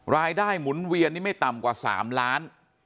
หมุนเวียนนี่ไม่ต่ำกว่า๓ล้าน